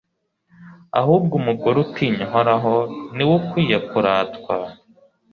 ahubwo umugore utinya uhoraho ni we ukwiye kuratwa